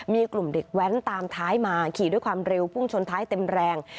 มีกลุ่มเด็กแว้นตามท้ายมาขี่ด้วยความเร็วพุ่งชนท้ายเต็มแรง